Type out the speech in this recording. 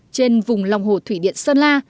trên vùng lòng hồ thủy điện sơn la